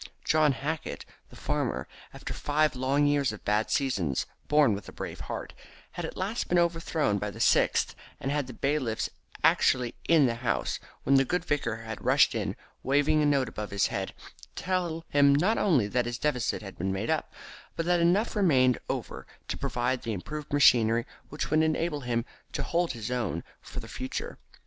John Hackett, the farmer, after five long years of bad seasons, borne with a brave heart, had at last been overthrown by the sixth, and had the bailiffs actually in the house when the good vicar had rushed in, waving a note above his head, to tell him not only that his deficit had been made up, but that enough remained over to provide the improved machinery which would enable him to hold his own for the future.